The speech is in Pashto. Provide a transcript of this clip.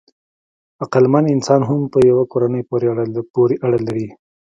عقلمن انسان هم په یوه کورنۍ پورې اړه لري.